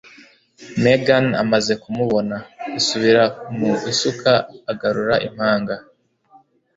Megan amaze kumubona, asubira mu isuka agarura impanga.